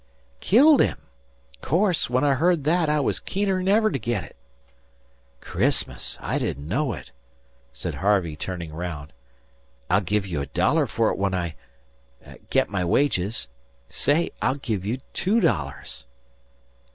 "Killed him! Course, when I heard that I was keener'n ever to get it." "Christmas! I didn't know it," said Harvey, turning round. "I'll give you a dollar for it when I get my wages. Say, I'll give you two dollars."